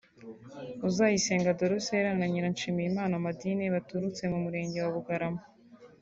Uzayisenga Dorcella na Nyiranshimiyimana Madine baturutse mu murenge wa Bugarama